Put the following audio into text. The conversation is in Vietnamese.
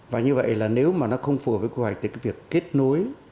và như vậy là nếu mà nó không phù hợp với quy hoạch thì cái việc kết nối